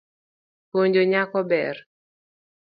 Puonjo nyako ber.